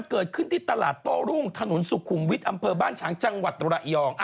เกิดขึ้นที่ตลาดโต้รุ่งถนนสุขุมวิทย์อำเภอบ้านฉางจังหวัดตระยอง